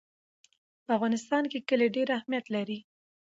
په افغانستان کې کلي ډېر اهمیت لري.